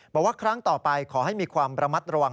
บอกว่าครั้งต่อไปขอให้มีความระมัดระวัง